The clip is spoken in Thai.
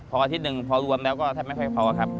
พออาทิตย์หนึ่งพอรวมแล้วก็แทบไม่ค่อยพอครับ